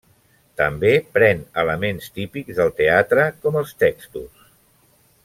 També pren elements típics del teatre, com els textos.